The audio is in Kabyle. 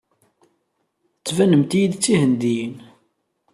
Tettbanemt-iyi-d d Tihendiyin.